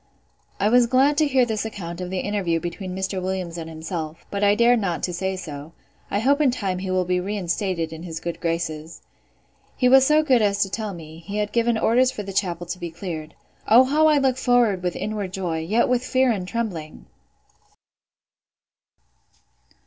I was glad to hear this account of the interview between Mr. Williams and himself; but I dared not to say so. I hope in time he will be reinstated in his good graces. He was so good as to tell me, he had given orders for the chapel to be cleared. O how I look forward with inward joy, yet with fear and trembling!